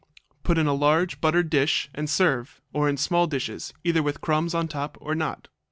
Put in a large buttered dish and serve, or in small dishes, either with crumbs on top or not.